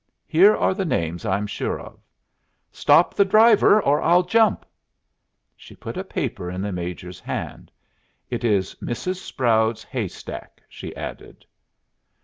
Here are the names I'm sure of. Stop the driver, or I'll jump." She put a paper in the Major's hand. "It is Mrs. Sproud's hay stack," she added.